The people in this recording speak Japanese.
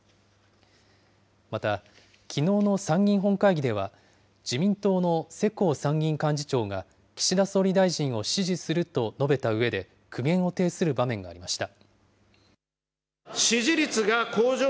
また、きのうの参議院本会議では、自民党の世耕参議院幹事長が岸田総理大臣を支持すると述べたうえで、苦言を呈する場面がありました。